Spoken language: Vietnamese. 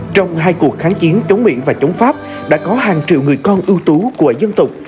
trong hai cuộc kháng chiến chống mỹ và chống pháp đã có hàng triệu người con ưu tú của dân tộc